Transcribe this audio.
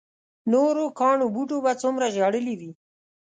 نورو کاڼو بوټو به څومره ژړلي وي.